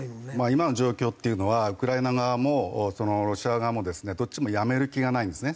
今の状況っていうのはウクライナ側もロシア側もですねどっちもやめる気がないんですね。